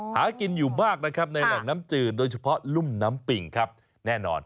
หากินอยู่มากนะครับในแหล่งน้ำจืดโดยเฉพาะรุ่มน้ำปิ่งครับแน่นอน